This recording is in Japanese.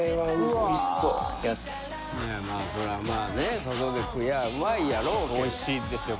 おいしいですよ